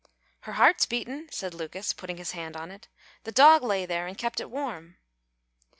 "Her heart's beatin'," said Lucas, putting his hand on it. "The dog lay there, an' kep' it warm."